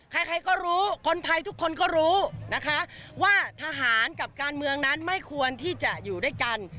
ใครใครก็รู้คนไทยทุกคนก็รู้นะคะว่าทหารกับการเมืองนั้นไม่ควรที่จะอยู่ด้วยกัน